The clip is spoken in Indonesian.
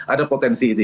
ada potensi itu